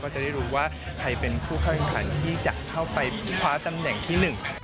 ก็จะได้รู้ว่าใครเป็นผู้เข้าขึ้นทางที่จะเข้าไปคว้าตำแหน่งที่๑